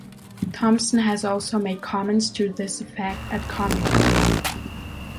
Thompson has also made comments to this effect at Comic-Con.